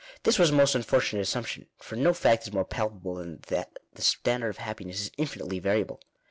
This was a most unfortunate assumption, for no fact is more palpable than that the standard of happiness is in finitely variable.